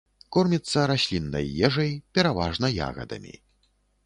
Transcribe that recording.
Корміцца расліннай ежай, пераважна ягадамі.